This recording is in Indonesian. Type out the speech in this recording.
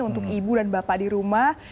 untuk ibu dan bapak di rumah